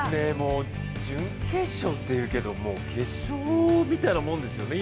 準決勝っていうけど、決勝みたいなものですよね。